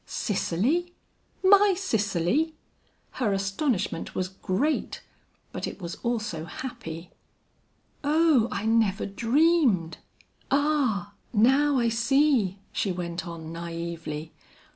"Cicely? my Cicely?" Her astonishment was great, but it was also happy. "Oh, I never dreamed ah, now I see," she went on naively.